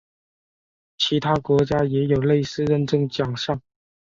其他国家也有类似认证奖项。